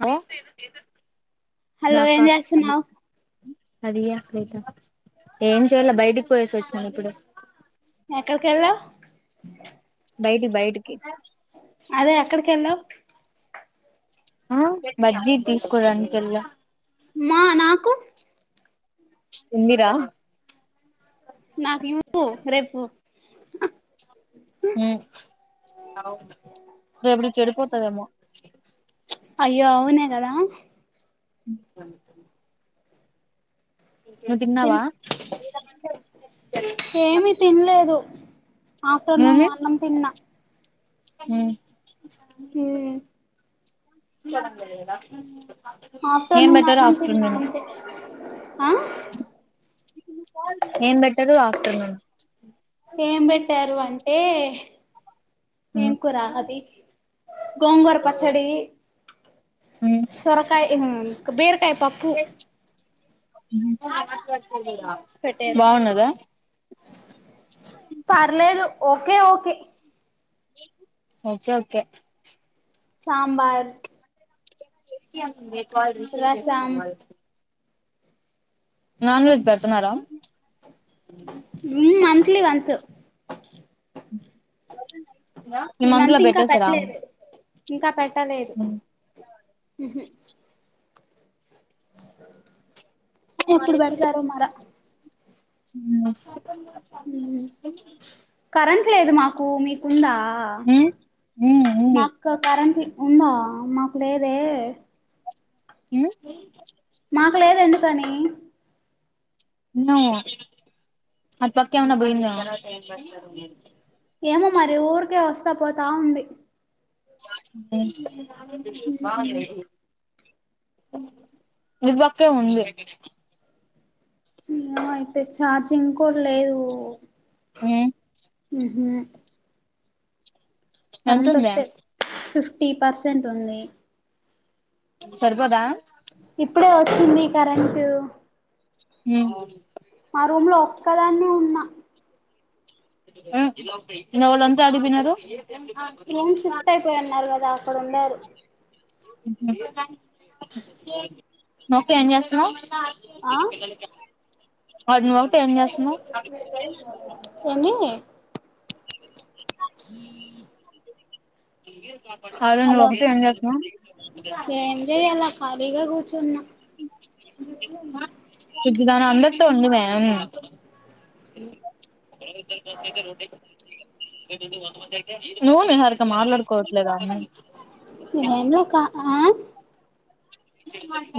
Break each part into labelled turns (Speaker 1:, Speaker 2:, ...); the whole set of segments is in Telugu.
Speaker 1: అ
Speaker 2: హలో ఎంచేస్తున్నావు
Speaker 1: ఏం చేయయాలో బయటికి పోయేసి వచ్చను ఇప్పుడు
Speaker 2: ఎక్కడికి వెళ్లవు
Speaker 1: బయటి బయటికి
Speaker 2: అదే అక్కడికెళ్ళా
Speaker 1: ఆ బజ్జీ తీసుకోడానికి వెళ్ళ
Speaker 2: మా నాకు
Speaker 1: ఇందిరా
Speaker 2: నాకు ఇవ్వు రేపు
Speaker 1: ఇ ఎప్పుడు చెడుపోతదేమో
Speaker 2: అయ్యో అవును కదా
Speaker 1: [unintelligible] నువ్వు
Speaker 2: తి
Speaker 1: తిన్నావా
Speaker 2: ఏమి తినలేదు ఆఫటర్నూన్ వన్నం తినిన
Speaker 1: హ
Speaker 2: హె
Speaker 1: [unintelligible] ఏం
Speaker 2: ఆఫ్టర్నూన్
Speaker 1: పెట్టారు
Speaker 2: అన్నం తిన్నా
Speaker 1: ఆఫ్టర్నూన్
Speaker 2: అంతే ఆ
Speaker 1: ఏం బెట్టరు ఆఫ్టర్నూన్
Speaker 2: ఏం పెట్టారు అంటే ఎమ్ కూర అది గోంగూర పచ్చడి సొరకాయ బీరకాయ పప్పు పెట్టారు
Speaker 1: బాగున్నదా
Speaker 2: పర్లేదు ఓకే ఓకే
Speaker 1: ఓకే కే
Speaker 2: సాంబార్
Speaker 1: క రిసీవ్
Speaker 2: రసం
Speaker 1: వా నాన్ వెజ్ పెడుతున్నారా
Speaker 2: మంతంత్లీ వన్స్
Speaker 1: ఈ మంత్ లో పెటర్ సార్
Speaker 2: ఇంకా పెట్టలేదు ఎప్పుడు పెడతారో మరా ఉహు
Speaker 1: [unintelligible]
Speaker 2: కరెంట్ లేదు మాకు మీకుందా మాకు కరెంట్ ఉందా మాకు లేదే
Speaker 1: [unintelligible]
Speaker 2: మాకు లేదు ఎందుకని
Speaker 1: అటు పక్క ఏమైనా పోయిందేమో
Speaker 2: ఏమో మరి ఊరికే వస్తా పోతా ఉంది
Speaker 1: బాగుంది మీ పక్కే ఉంది
Speaker 2: అయితే చఛార్జింగ్ కూడా లేదు కరెంట్
Speaker 1: ఎంతుంది
Speaker 2: వస్తే ఫిఫ్టీ పర్సెంట్ ఉంది
Speaker 1: సరిపోదా
Speaker 2: ఇప్పుడే వచ్చింది కరెంటట్
Speaker 1: హ
Speaker 2: రూమ్ లో ఒక్కదాన్న ఉన్నా
Speaker 1: వాళ్ళంతా యట్టి పోయినారు
Speaker 2: రూమ్ షిఫ్ట్ అయిపోయిన్నారు కదా అక్కడ ఉండరు
Speaker 1: ఏం చేస్తున్నా
Speaker 2: ఆ
Speaker 1: [unintelligible] వాడునువు టైం చేస్తు ను
Speaker 2: ఏంది [unintelligible]
Speaker 1: [unintelligible] అదే నువ్వు
Speaker 2: హలో
Speaker 1: ఒకటి ఏం చేస్తాన్నా
Speaker 2: చన్నా
Speaker 1: ఈడ అందరితో ఉండుమే [unintelligible] నువ్ నిహరిక మాట్లాడుకోట్లేదా అమ్నయి
Speaker 2: నువ్వేంలా కా ఆ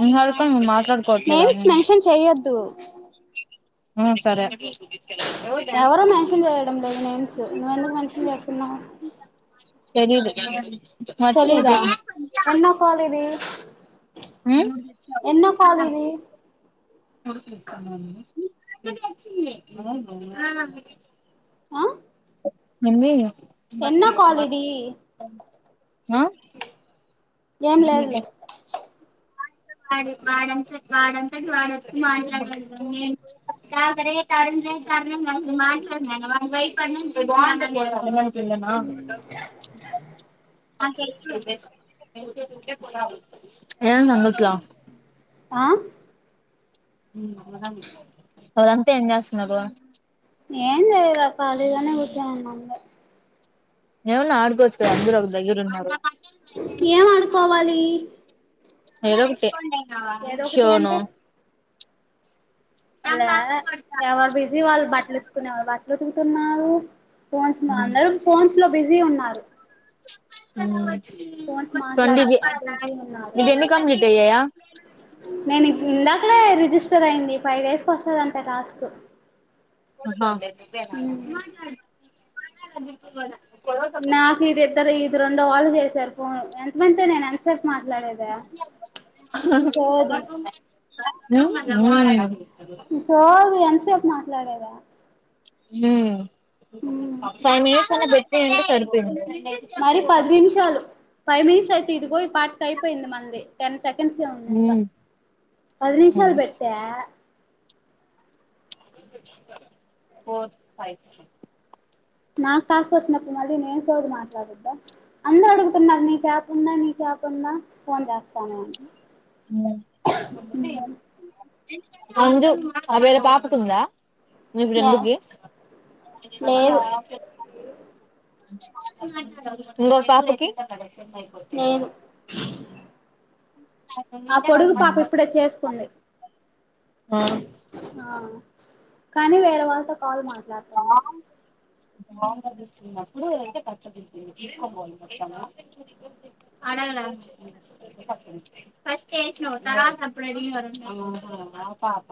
Speaker 1: నిహరిక మేము మాట్లాడుకోవట్లేదా
Speaker 2: నేమ్స్ మెన్షన్ చెయ్యొద్దు
Speaker 1: ఆ సరే
Speaker 2: ఎవరు మెన్షన్ చేయడం లేదు నేమ్స్ నువ్వెందుకు మెన్షన్ చేస్తున్నావు
Speaker 1: సరదు మర్చ
Speaker 2: తెలీదా ఎన్నో కాల్ ఇది
Speaker 1: ఉమ్
Speaker 2: ఎన్నో కాల్ ఇది
Speaker 1: నీకు కూడా తెచ్చింది. హ
Speaker 2: ఆ
Speaker 1: ఎంది
Speaker 2: ఎన్నో కాల్ ఇది
Speaker 1: ఆ
Speaker 2: ఏం లేదులే
Speaker 1: వాడు వాడంత వాడంతటి వాడొచ్చి మాట్లాడ నేనుగరే తారు మాట్లాడిన వాని కి భయపడి [unintelligible] ఏమైంది అంగట్ల
Speaker 2: ఆ
Speaker 1: అవును మీరు అంతా ఏం చేస్తున్నారు
Speaker 2: ఇడ ఖాళీ గానే కూర్చొని ఉన్నాం
Speaker 1: ఎవన్న ఆడ్కో వచ్చకదా అందరూ ఒక దగ్గరన్న ఉన్నారు
Speaker 2: ఏం ఆడుకోవాలి
Speaker 1: ఏదో ఒకటి
Speaker 2: ఏదో ఒకటి
Speaker 1: షోను
Speaker 2: అంటే లే ఎవరు బిజీ వాళ్ళు బట్టలు ఉతుకునే వాళ్ళు బట్టలు ఉతుకుతున్నారు. ఫోన్స్ మా అందరూ ఫోన్స్ లో బిజీ ఉన్నారు
Speaker 1: ఉమ్
Speaker 2: ఫోన్స్ మాట్లాడటంలో బిజీ ఉన్నాడు నేను ఇందాకలే రిజిస్టర్ అయింది ఫైవ్ డేస్కి వస్తుందంట టాస్క్
Speaker 1: హ
Speaker 2: నాకు ఇది ఇద్దరు ఇది రెండో వాళ్ళు చేసారు ఫోన్ ఎంతమందింత నేను ఎంత సేపు మాట్లాడేదా సోది
Speaker 1: హు హు
Speaker 2: సోది ఎంత సేపు పు మాట్లాడేది
Speaker 1: ఉ ఫైవ్ మినిట్స్ అనే పెట్టేది ఉంటే సరిపోయేది
Speaker 2: మరి పది నిమిషాలు ఫైవ్ మినిట్స్ అయితే ఇదిగో ఈ పాటకి అయిపోయింది మనది. టెన్ సెకండ్స్ ఉంది ఇంకా
Speaker 1: హ్మ్
Speaker 2: పది నిమిషాలు పెట్టా
Speaker 1: ఫోర్ ఫై
Speaker 2: నాకు టాస్క్ వచ్చినప్పుడు మళ్ళీ నేను సోది మాట్లాడొద్దా అందరూ అడుగుతున్నారు నీ ఆప్ ఉందా నీ ఆప్ ఉందా ఫోన్ చేస్తా
Speaker 1: అ అందు ఆ వేరే పాపకు ఉందా మీ
Speaker 2: యా
Speaker 1: ఫ్రెండ్ కి
Speaker 2: లేదు
Speaker 1: ఇంగో పాపకి
Speaker 2: నేను ఆ పొడుగు పాప ఇప్పుడే చేసుకుంది
Speaker 1: ఆ
Speaker 2: ఆ కానీ వేరే వాళ్ళతో కాల్ మ లాతంది
Speaker 1: [unintelligible] అడగల ఫస్ట్ వేసినవు తర్వాత అప్పుడు అడిగినవు పాప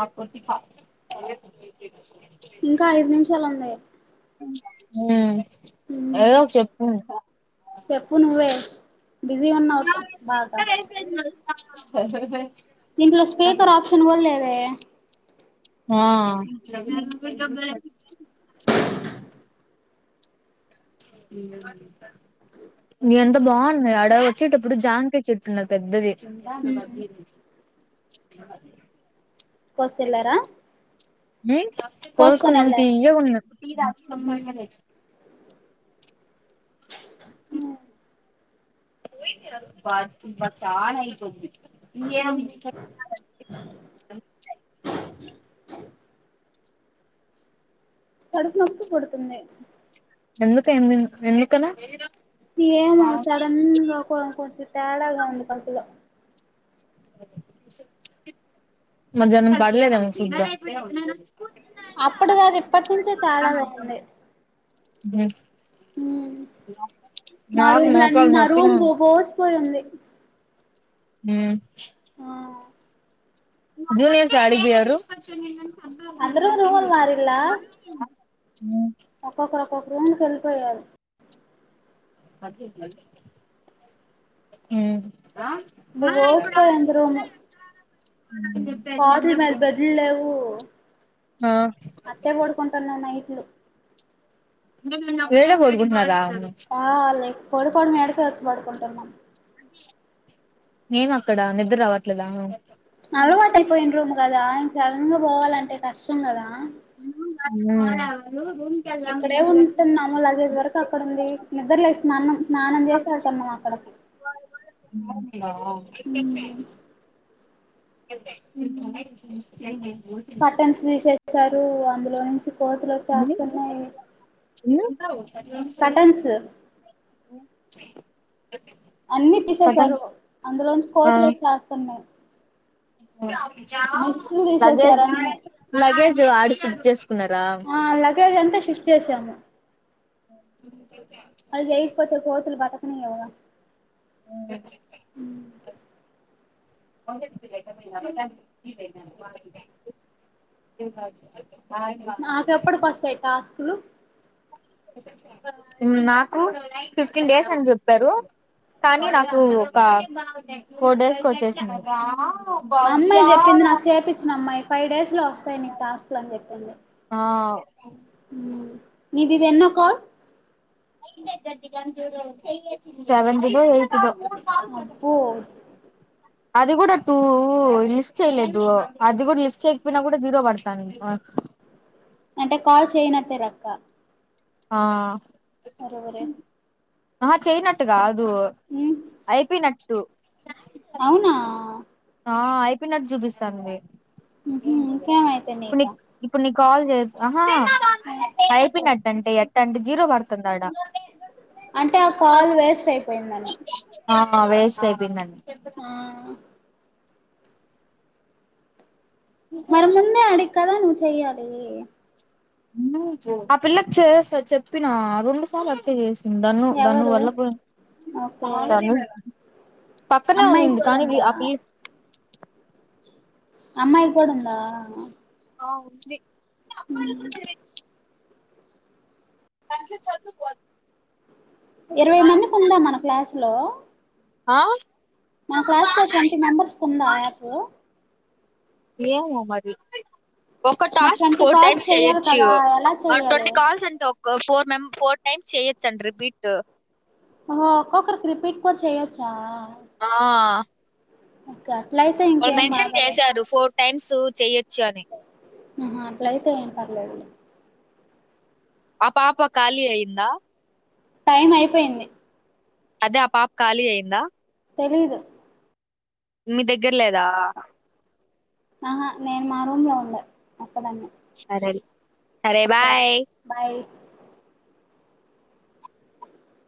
Speaker 1: ఆ కోట్టి ప
Speaker 2: ఇంకా ఐదు నిమిషాలు ఉంది.
Speaker 1: ఆ
Speaker 2: ఉమ్
Speaker 1: ఏదోటి చెప్పు
Speaker 2: చెప్పు నువ్వే బిజీ ఉన్న ఒట్టు బాగా
Speaker 1: హహ
Speaker 2: దీంట్లో స్పీకర్ ఆప్షన్ కూడా లేదే.
Speaker 1: ఆ ఉమ్ ఎంత బాగున్నాయి ఆడ వచ్చేటప్పుడు జాంకాయ చెట్టున్నాది పెద్దది.
Speaker 2: ఉమ్ కోసుకెల్లారా.
Speaker 1: ఉమ్ కోసుకున్న తీయగా ఉన్నాయి. చానా ఇతుంది [unintelligible] [inaudible]
Speaker 2: కడుపు నొప్పి పుడుతుంది.
Speaker 1: ఎందుకు ఏం తీన్ ఎందుకలా
Speaker 2: ఏమో సడన్గా కొంచెం తేడాగా ఉంది కడుపులో
Speaker 1: మధ్యాహ్నం పడ్లేదేమో ఫుడ్
Speaker 2: అప్పుడు కాదు ఇప్పటి నుంచే తేడా గా ఉంది.
Speaker 1: బ
Speaker 2: మా
Speaker 1: నాకు
Speaker 2: రూమ్ల
Speaker 1: మోకాలు
Speaker 2: మా
Speaker 1: నొప్పిగా
Speaker 2: రూమ్
Speaker 1: ఉంది
Speaker 2: బోసిపోయి ఉంది
Speaker 1: ఉం
Speaker 2: ఆ
Speaker 1: జూనియర్సు యాడికి పోయిర్రు.
Speaker 2: అందరు రూమ్లు మారిలా
Speaker 1: హ్మ్
Speaker 2: ఒక్కొక్కరు ఒక్కొక్క రూమ్ కి వెళ్ళిపోయారు
Speaker 1: ఉమ్
Speaker 2: బోసి పోయి ఉంది రూము కోట్ల మీద బెడ్లు లేవు
Speaker 1: ఆ
Speaker 2: అట్టే పడుకుంటాన్నా నైట్లు
Speaker 1: ఇడే పడుకుంటున్నారా.
Speaker 2: ఆ లే పడుకోవడం ఈడకే వచ్చి పడుకుంటున్నాం
Speaker 1: ఏం అక్కడ నిద్ర రావట్లేద
Speaker 2: అలవాటయిపోయిన రూమ్ కదా ఇంక సడన్గా పోవాలంటే కష్టం కదా. ఎక్కడే ఉంటున్నాము. లగేజ్ వరకు అక్కడ ఉంది నిద్రలే స్నానం స్నానం చేస వెళ్తున్నాము అక్కడ
Speaker 1: ఆ
Speaker 2: కర్టన్స్
Speaker 1: [unintelligible]
Speaker 2: తీసేసారు అందులో నుంచి కోతలు వచ్చేస్తున్నాయి. కర్టన్స్
Speaker 1: ఉం
Speaker 2: అన్ని తీసేసారు అందులోంచి
Speaker 1: ఆ
Speaker 2: కోతులు వచ్చేస్తున్నాయి. మెస్సులు
Speaker 1: లగేజ్
Speaker 2: తీసేసారు అన్ని
Speaker 1: లగేజ్ ఆడుసి
Speaker 2: ఆ లగేజ్ అంతా షిఫ్ట్ చేసాము. నివ [inaudible]
Speaker 1: అ
Speaker 2: ఉ
Speaker 1: [unintelligible]
Speaker 2: నాకు ఎప్పటికస్తాయి టాస్కులు.
Speaker 1: నాకు ఫిఫ్టీన్ డేస్ అని చెప్పారు. కానీ నాకు ఒక ఫోర్ డేస్ కు వచ్చేసినై.
Speaker 2: అమ్మాయి చెప్పింది నాకు చేపిచ్చిన అమ్మాయి ఫైవ్ డేస్ లో వస్తాయి నీకు టాస్క్లు అని చెప్పింది
Speaker 1: ఆవు
Speaker 2: నీకు ఇది ఎన్నో కాల్
Speaker 1: సెవెంత్ దో ఎయిత్ దో
Speaker 2: అబ్బోత్
Speaker 1: అది కూడా టూ లిఫ్ట్ చెయలేదు అది కూడా లిఫ్ట్ చేయకపోయినా కూడా జీరో వాడుతాంది హ
Speaker 2: అంటే కాల్ చేయనట్టే రక్క
Speaker 1: ఆ
Speaker 2: అరేవోరే
Speaker 1: ఆహ చేయనట్టుగాదు
Speaker 2: ఉమ్
Speaker 1: అయిపోయినట్టు
Speaker 2: అవునా
Speaker 1: ఆ అయిపోయినట్టు చూపిస్తాది
Speaker 2: ఉహు ఇంకేమైతే
Speaker 1: ఇప్పుడు
Speaker 2: నీకు
Speaker 1: నిక్ ఇప్పుడు నిక్ కాల్ చేసు ఆహా అయిపింగ్ అట్టటి ఎట్ట అంటే జీరో పడుతుంది అడ
Speaker 2: అంటే ఆ కాల్ వేస్ట్ అయిపోయిందని
Speaker 1: ఆ వేస్ట్ అయిపోయిందండి
Speaker 2: మా మరి ముందే అడిగి కదా నువ్వు చెయ్యాలి
Speaker 1: ను పో ఆ పిల్లకి చేస్తా చెప్పినా రెండు సార్లు అట్టే చేసు దాన్ను దాన్ను
Speaker 2: ఎవరు
Speaker 1: వాళ్ళ పె
Speaker 2: ఓకే
Speaker 1: దనుస్ పక్కనే
Speaker 2: అమ్మాయికి
Speaker 1: ఉందింది
Speaker 2: కూడా
Speaker 1: కానీ వి
Speaker 2: ఉందా
Speaker 1: ఆ పిల్
Speaker 2: అమ్మాయి కూడా ఉందా
Speaker 1: అ ఉంది గట్లే చదువు కోను
Speaker 2: ఇరవై మందికి ఉందా మన క్లాసు లో
Speaker 1: ఆ
Speaker 2: మన క్లాస్ లో ట్వంటీ మెంబర్స్ కు ఉందా ఆ యాప్
Speaker 1: ఏమో మరి ఒక
Speaker 2: మరి
Speaker 1: task
Speaker 2: twenty
Speaker 1: four
Speaker 2: calls
Speaker 1: times
Speaker 2: చెయ్యాలి
Speaker 1: చెయ్యొచ్చు
Speaker 2: కదా ఎలా
Speaker 1: ఆ
Speaker 2: చెయ్యాలి
Speaker 1: ట్వంటీ కాల్స్ ఏంటో ఒక్క ఫోర్ మెం ఫోర్ టైమ్స్ చేయాచ్చు అన్ రిపీట్
Speaker 2: ఓహో ఒక్కొక్కరికి రిపీట్ కూడ చేయొచ్చా
Speaker 1: ఆ
Speaker 2: ఓక్క
Speaker 1: వాళ్ళు మెన్షన్ చేశారు ఫోర్ టైమ్స్ చెయ్యొచ్చు అని
Speaker 2: ఆహా అట్ల అయితే ఏం పర్లేదు
Speaker 1: ఆ పాప ఖాళీ అయ్యందా
Speaker 2: టైం అయిపోయింది
Speaker 1: అదే ఆ పాప ఖాళీ అయ్యిందా
Speaker 2: తెలీదు
Speaker 1: మీ దగ్గర లేదా
Speaker 2: ఆహా నేన్ మా రూం లో ఉండే ఒక్కదాన్నే
Speaker 1: సరేల్
Speaker 2: స బయ్